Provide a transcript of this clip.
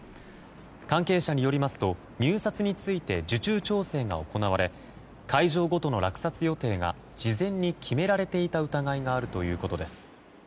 関係者によりますと入札について受注調整が行われ会場ごとの落札予定が事前に決められていた疑いがあるということです。